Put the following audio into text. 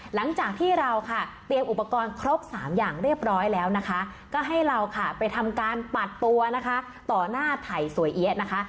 หลังจากที่เราค่ะเตรียมอุปกรณ์ครบสามอย่างเรียบร้อยแล้วนะคะก็ให้เราค่ะไปทำการปัดตัวนะคะต่อหน้าไถ่สวยเอี๊ยะนะคะ